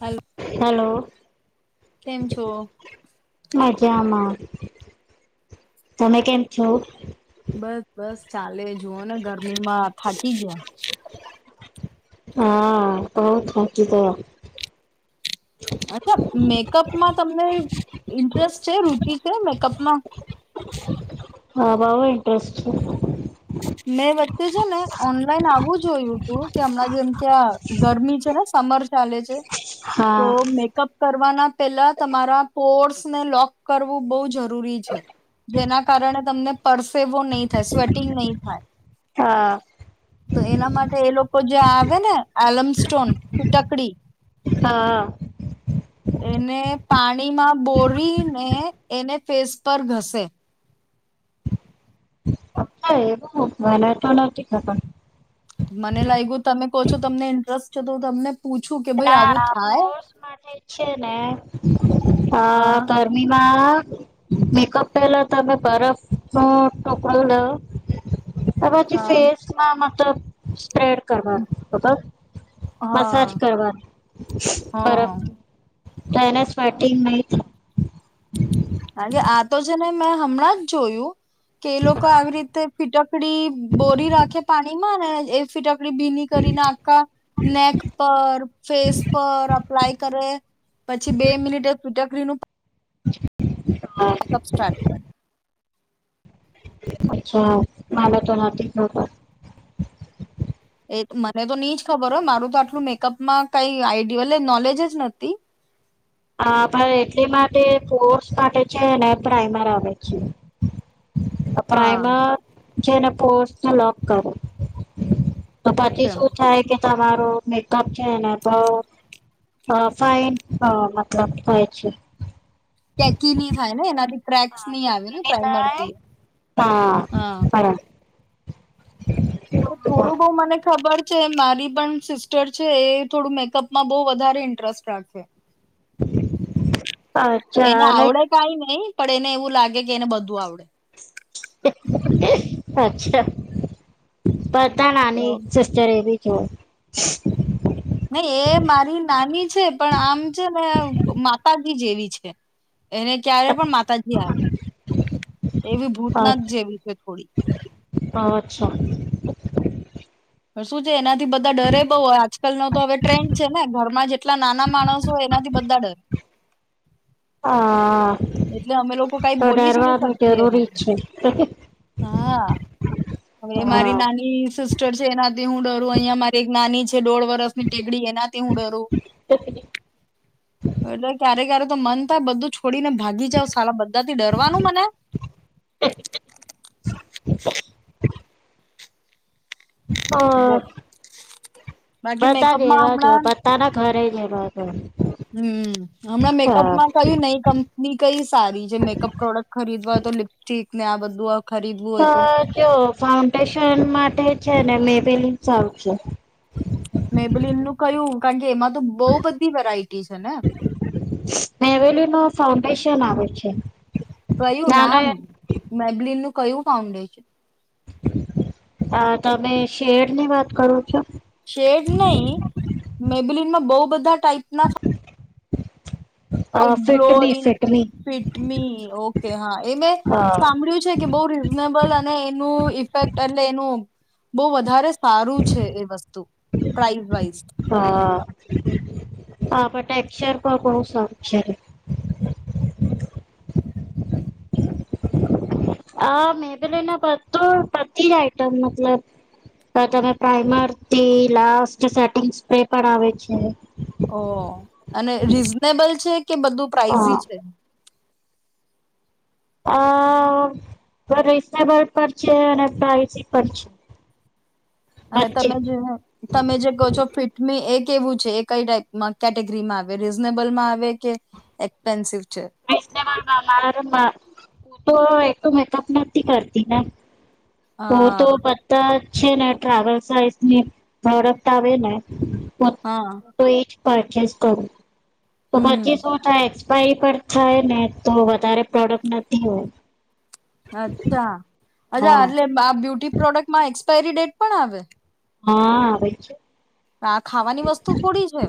Hello hello કેમ છો મજા આમાં તમે કેમ છો બસ બસ ચાલે જુઓ ને ગરમી માં થાકી ગયા હા બ‌ઉ થાકી ગયા અચ્છા મેકઅપમાં તમને ઇન્ટરેસ્ટ છે રુચિ છે મેકઅપ ના હા બઉ ઇન્ટરેસ્ટ છે મેં વચ્ચે છે ને ઓનલાઈન આવું જોયું હતું કે હમણાં જેમ કે્યા ગરમી છે ને સમર ચાલે છે તો હા મેકઅપ કરવાના પહેલાં તમારા પોર્સને લોક કરવું બહુ જરૂરી જરુરી છે જેના કારણે તમને પસૅ એવો નહી થાય સ્વેટિંગ નહીં હા તો એના માટે એ લોકો જે આવે ને એલમસ્ટોન ફીટકડી હા એને પાણીમાં બોરીને એને ફેસ પર ઘસે ના એવું હોય મને તો નથી ખબર મને લાગ્યું તમે કહો છો તમને ઇન્ટરેસ્ટ છો તો તમને પૂછું કે ભાઈ ના આવું ના થાય કોસૅ માટે છે ને અ હા ગરમીમાં મેકઅપ પેલા તમે બરફ નો ટોકલો લોયો તે પછી હા ફેસમાં ત સ્પ્રેડ કરવાનું ખબર મસાજ હા કરવા બરફ હા તેનાસ પાટી માહિતી અરે આ તો છે ને મેં હમણાં જ જોયું કે એ લોકો આવી રીતે પીટકડી બોરી રાખે પાણી ના ના એ ફિટ ભીની કરીને આખ નેક પર ફેસ પર પલાય કરે પછી બે મિનિટ એ [unintelligible] નું અ ચેકઅપ સ્ટાર્ટ કર અચ્છા ના તો નાતી [inaudible] એ મને તો નીજ ખબર હોય, મારું તો આટલું મેકઅપ માં કઈ આઈડલે નોલેજ જ નથી. હા, પણ એટલી માટે ફર્સ માટે છે ને પ્રાઈમર આવે છે. અહ હા પ્રાઈમર જેને પોસ્ટ લોક કરો. તો પછી ઓકે. શું થાય કે તમારું મેકઅપ છેને બોવ, ફાઈન મતલબ થાય છે. [unintelligible] ની થાય ને એનાથી ક્રેક્સ હા ની આવે ને પ્રાઈમરથી. હા. [inaudible] બરાબર થોડું બઉ મને ખબર છે. મારી પણ સિસ્ટર છે, એ થોડું મેકઅપમાં બો વધારે ઇન્ટરેસ્ટ રાખે હ એને આવડે કઈની પણ એને એવું લાગે કે એને બધું આવડે અચ્છા બટ તાલાની સિસ્ટર એવી હમ્મ. ને એ મારી નાની છે પણ આમ છે ને માતા જેવી છે. એને ક્યારે પણ માતાજી આવે, એવી ભૂતનાથ જેવી છે થોડી હા, અચ્છા પણ શું છે એના થી બધા ડરે બહુ હોય, આજકાલનો તો હવે ટ્રેન્ડ છે ને ઘરમાં જેટલા નાના માણસ હોય, એનાથી બધા ડરે આ એટલે અમે લોકો કાઇ બોલીજ ની શકીએ એને જરૂરી છે હા, હવે એ હા મારી નાની સિસ્ટર છે એના થી હું ડરું અહિયાં મારી એક નાની છ છે દોડ વરસની ટેકડી એનાથી હું ડરું, એટલે ક્યારે ક્યારેક તો મન થાય બધું છોડીને ભાગી જાવું, સાલા બધાથી ડરવાનું મને [inaudible] [inaudible] હ બોલ બાકી બધા જ મેકઅપમાં એવા જ હમણાં હોય બધાના ઘરે [unintelligible] તો હમ હમણાં મેકઅપ માં કયું નઈ કંપની કઈ સારી જે મેકઅપ પ્રોડક્ટ ખરીદવાતો લિપસ્ટિક ને આ બધું આમ તો જો ફાઉન્ટેશન માટે છે ને મેબેલી સારુ છે કારણકે એમાં તો બહુ બધી વેરાયટી છે ને મેબેલીનું ફાઉન્ડેશન આવેે છે કયું નાને નામ મેબલીન નું કયું ફાઉન્ડેશન હા તમે શેર ની વાત કરો છો શેડ નહી મેબલીનમાં બઉ બધા ટાઈપ ના ફા [inaudible] અ આ Fit Me glowy Fit Me Fit Me okay કે હા એ મેં હા સાંભળ્યું છે કે બહુ રીઝનેબલ અને એનું ઇફેક્ટ અટલે એનું બહુ વધારે સારું છે એ વસ્તુ પ્રાઈઝ વાઇસ હા હા પણ ટેક્સર પણ બહુ સારું છે આ મેબલિનના બધું બધી જ આઈટમ મતલબ તમે પ્રાઈમરથી લાસ્ટ સેટિંગ સ્પે પણ આવે છે ઓહ અને રીઝનેબલ છે કે બધું પ્રાાઈઝી હા છે અ રીઝનેબલ પણ છે અને પ્રાઈઝી પણ છે અને વચ્ચે તમે જે તમે જે કહો છો ફિટમી એક કેવું છે એ કઈ ટાઈપ કેટેગરીમાં આવે રીઝનેબલમાં આવે કે એક્સપેન્સિવ છે રીઝનેબલમાં તો એકલુ મેકઅપ નથી કરતી ને હ તો હા [unintelligible] છે ને ટ્રાવેલ સાઈજની પ્રોડક્ટ આવે ને હા [unintelligible] પરચેસ કરું તો હમ પરચીસોટ પર થાય ને તો વધારે પ્રોડક્ટ નથી હોય. અચ્છા અછા હા હલે બ્યુટી પ્રોડક્ટમાંક્, મા ેરી ડેટ પણ આવે. હા આવે છે. આ ખાવાની વસ્તુ થોડી છે.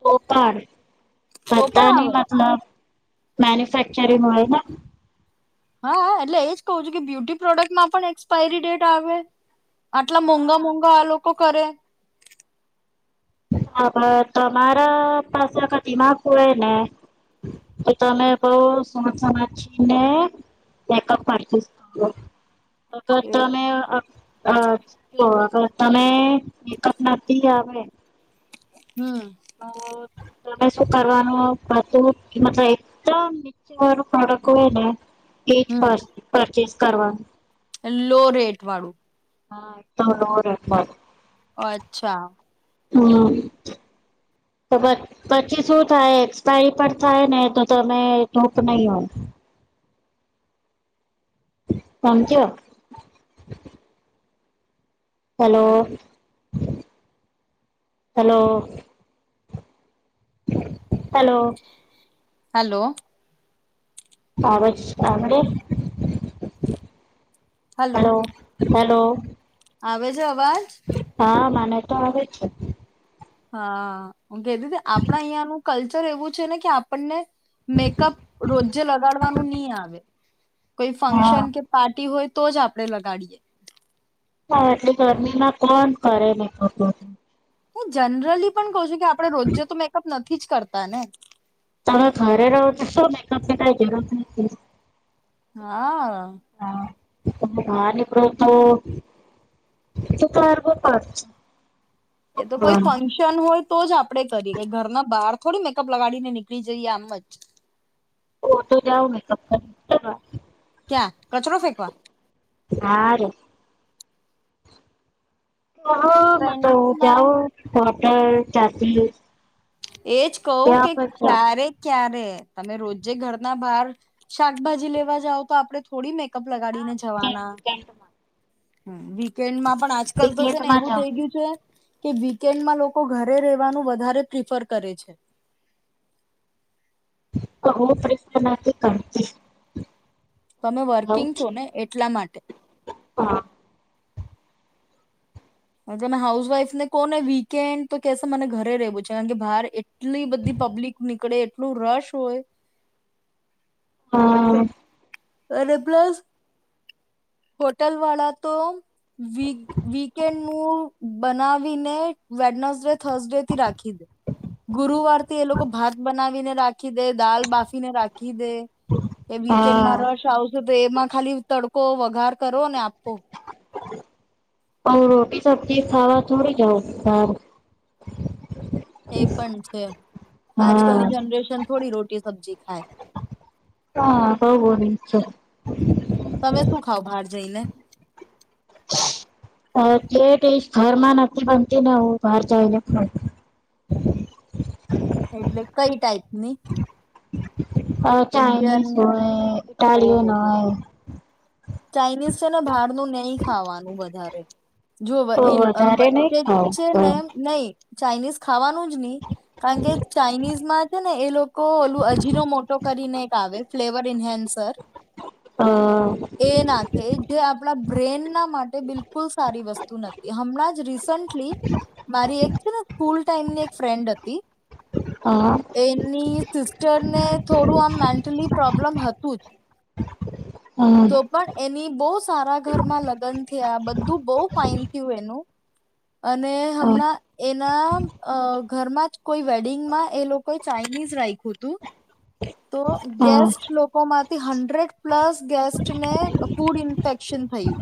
તો પણ તો પણ આવે મન્યુફેક્ચરિંગ હોય. હા, એટલે એજ કહું છું કે બ્યુટી પ્રોડક્ટમાં પણ એક્સપાયરી ડેટ આવે. આટલા મોંઘા મોંઘા આ લોકો કો કરે હ, તમારા પાસે આ દિમાગ હોય ને તો તમે બઉ સ સચનેઅપ પરચસ કરો અગર એ તમે તમે એકઅપ ના આવે. હમ અ અ તમે શું કરવાનું બધું મતલ એકદમ નીચે વાનું પ્રોડક્ટ હોય ને હમ [inaudible] ચસ કરવાનું લો રેટ વાળું હા તો નોડમા ઓ અચ્છા હમ તો પછી શું થાય એક્સપાયરી પર થાય ને તો તમે ટૂપ નહીં હો સમમ ક હલો હલો હલો હલો આવજ આમડે હલો હલો આવેવે જવાજ તો આવે છે હા કી કે આપણા યાનું કલ્ચર એવું છે ને કે આપણને મેકઅપ રોજે લગાડવાનું નહી આવે કોઈ હા ફંક્શન કે પાર્ટી હોય તો જ આપણેે લગાડીએ હા એટલે ગરમીમાં કોણ કરે નને ખતું હતું હુ જનરલી પણ કહુ છું આપડે રોજે તો મેકઅપ નથી થી જ કરતા ને તમે ઘરે રહો છો શું મેકઅપની કઈ જરૂરત નથી હા હા બારનીક્ડો તો તોર પડચ એ તો કોઈ ફંક્શન હોય તો જ આપડે કરીએ ઘરના બહાર થોડી મેકઅપ લગાડીને નીકળી જઈએ આમ જ ઓ તો જાઓ મેકઅપ ક્યાં કચરો ફેંકવા હા રે હ માતો ફ્રેન્ડના જાઓ ત્યા ચાપલી એજ કહું કે ક્યારે ક્યારે તમે રોજે ઘરના બહાર શાકભાજી લેવા જાાવ તો આપડે થોડી મેક મેકઅપ ના લગાડીને વીકેન્ડ જવાના વીકેન્ડમાં હુ વીકેન્ડમાં પણ આજકાલ તો છે ને વીકેન્ડમાં એવું જાઉં થઈ ગયું છે કે વીકેન્ડમાં લોકો ઘરે રવાનું વધારે પ્રિફર કરે છે બહુ પ્રશ્નાથી કરતી તમે જઉં વર્કિંગ છો છું ને એટલા માટે હા હમે હાઉસવાઈફ ને કોને વીકેન્ડ તો કેશ મને ઘરે રહેવું છે કારણ કે બાર એટલી બધી પબ્લિક નીકળે નું રસ હોય હા બ અરે પ્લસ હોટેલ વાળા તો વીકેન્ડ નું બનાવીને વેડનસ ડે થર્સડેથી રાખી દે ગુરુવાર એ લોકો ભાત બનાવીને રાખે રાખી દે દાલ માફીને રાખી દે એ હા વીકેન્ડમાં રસ આવશે તો એમાં ખાલી તડકો વઘાર કરો ને આપો. રોટી સબજી ખાવા થોડી જઉ [unintelligible] એ પણ છે આજ હા કલની જનરેશન થોડી રોટી સબ્જી થાય હા બવુ બોલી ચલ તમે શું ખાવ બહાર જઈને જે ઘરમાં નથી બનતી ને હું બાર જઈને એટલે કઈ ટાાઈપની? અ ચાઇનીઝ હોય ઓહો ઇટાલિયન હો હોય. ચાઇનીઝ છે ને બહારનું નહી ખાવાનું વધારે. જો તો વધારે નહી વચ્ચે જ ખાઉં છે ને પણ એમ નહી. ચાઇનીઝ ખા ખાવાનું જ નહી, કારણ કે ચાાઈનીઝ માં છે ને એ લોકો ઓલું અજીરો મોટો કરીને આવે. ફ્લેવર નન હા. એ નાખે જે આપણા બ્રેન બિલકુલ સારી વસ્તુ નથી હમણાં જ રિસનટલી, મારી એક છે ને સ્કૂલ એમની એક ફ્રેન્ડ હતી. અ અ એની સિસ્ટરને થોડું આમ મેન્ટલી પ્રોબ્લમ હતું જ. અ તો પણ એની બહ સારા ઘરમાં લગ્ન થયા બધું બહુ ફાઇન થયું એનું. અને અ હમણાં એના અ ઘરમાં જ કોઈ વેડિંગમાં એ લોકોએ ચાઇનીઝ રાખ્યું હતું. તો હું ગેસ્ટ લોકોમાં હન્ડ્રેડ પ્લસ ગેસ્ટને ફૂડ ઇન્ફેક્શન થયું,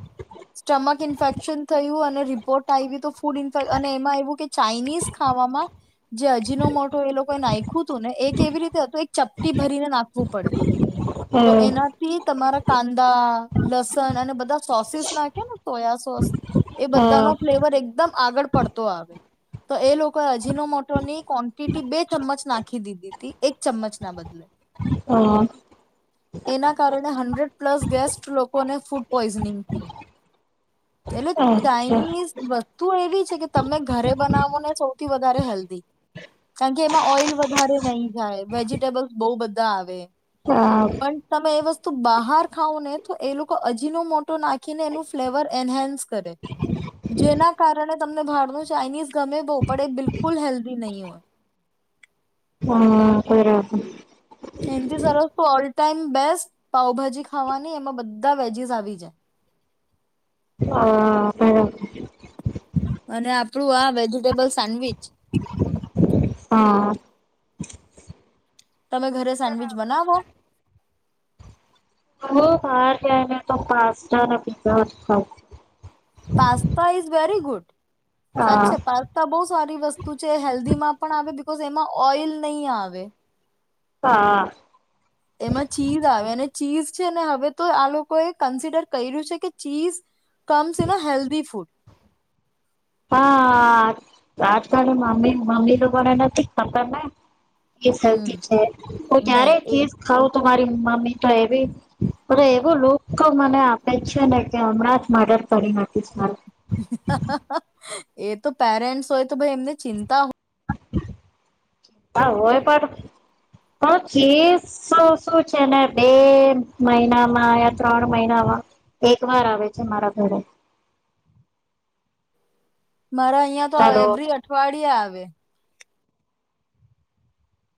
સ્ટમક ઇન્ફેક્શન થયું અને રિપોર્ટ ફૂડ ઇેક અને એમાં એવું કે ચાાઈનીઝ ખાવામાં, જે અજીનો મોટો એ લોકોએ નાખું હતું ને એકવી રીતે હતું એક ચપટી ભરીને નાખવું પડે. તો એનાથી તમારા કાંદા, લસણ અને બધા સોસીસ નાખે ને સોયા શોષ. હમ. એકદમ આગળ પડતો આવે, તો એ લોકોએ અજીનો મોટોની ક્વોન્ટિટી બે ચમ્મચ નાખી દીધી હતી એક ચમ્મચના બદલે. હ. એના કારણે હંડ્રેડ પ્લસ ગેસ્ટ લોકોને ફૂડ પોઈઝનિંગ થયું, એટલે ચાઈઇનીઝ તૂ એવી છે કે તમને ઘરે બનાવો ને સૌથી વધારે હેલ્ધી, કારણ કે એમાં ઓઈલ વધારે નઈ જાય વેજીિટેબલસ બો બધા આવે, પણ તમે એ વસ્તુ બહાર ખાવ ને તો એ લોકો અજીનો મોટો નાખીને એનું ફ્લેવર એન્હન્સ કરે. જેના કારણે તમને બહારનું ચાઇનીઝ ગમે‌ બો પણ એ બિલકુલ હેલ્ધી નહીં હોય. હા બરાબર. એથી સારો તો ઓલ ટાઈમ બેસ્ટ પાઉભાજી ખાવાની એમાં બધા વેજીસ આવી જાય. અને આપડું આ વેજીિટેબલ સાેન્ડવીચ. હા. તમે ઘરે સેન્ડવીચ બનાવો? બહાર જઈને તો પાસ્તા ને પિઝા જ ખાવું. Pasta is very good. સાચે હા છેે પસ્તા બો સારી વસ્તુ છે હેલ્ધી માં પણ આવે બિકઝ એમાં ઓઈલ નઈ આવે. હા. એમાં ચીઝ આવે ને ચીઝ છે ને હવે તો આ લોકોએ કન્સિડર કર્યું છે કે ચીઝ કમ્સ એને હેલ્ધી ફૂડ હા આજકાલ મમ્મી મમ્મી તો કોને નથી ખબર ને હમ નહી [inaudible] તો મારી મમ્મી તો [unintelligible] મને આપે છે ને કે હમણાં જ મર્ડર કરી નાખીસ મારુ એક એ તો પેરેન્ટ્સ હોય તો ભાઈ એમને ચિંતા તો હોય પણ પણ ચીસ શું છે ને બે મહિનામાં યા ત્રણ મહિનામાં એક વાર આવે છે મારા ઘરે મારા અહિયાં તો ચાલો એવરી અઠવાડિયે આવે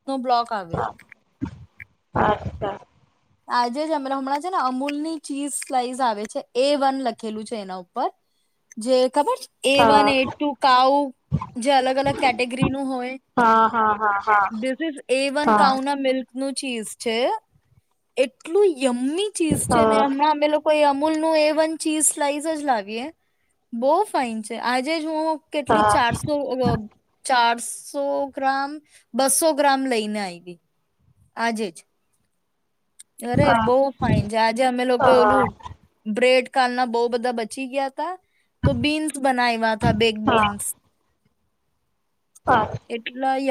ને બ્લોક આવે અચ્છા. આજે જ અમના હમણાં છે ને અમૂલ ની ચીઝ સ્લાઈઝ આવે છે એ વન લખેલું છે એના ઉપર જે ખબર છે એ વન હા એ ટુ કાઉ જે અલગ અલગ કેટેગરી નું હોય હા હા હા દિસ ઇઝ એ હા વન હા કાઉ ના મિલ્ક નુ ચીસ છે. એટલું યમી ચીઝ છે ને હા હમણા અમે લોકોએ મુલનુ એ વન ચીઝ સ્લાઈસ જ લાવીએ બો ફાઈન છે આજે જ હું કેટલી હા ચારસો વ ચારસ સો ગ્રામ બસો ગ્રામ લઈને આયવી આજે જ. અરે બોઉ ફાઇન છે આજે અમે લોકો હા ઓલું બ્રેડ કાલના બોવ બધા બચી ગયા તા તો બીન્સ બનાઈ હતા બેગ હા બીન્સ. હા એટલા